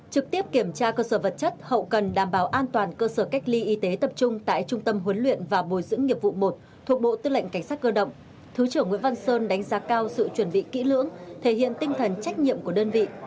trực tiếp kiểm tra cơ sở vật chất hậu cần đảm bảo an toàn cơ sở cách ly y tế tập trung tại trung tâm huấn luyện và bồi dưỡng nghiệp vụ một thuộc bộ tư lệnh cảnh sát cơ động thứ trưởng nguyễn văn sơn đánh giá cao sự chuẩn bị kỹ lưỡng thể hiện tinh thần trách nhiệm của đơn vị